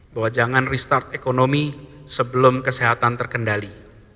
bahwa jangan restart ekonomi sebelum kesehatan terkendali